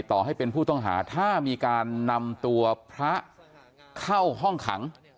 ต่อให้เป็นผู้ต้องหาถ้ามีการนำตัวพระเข้าห้องขัง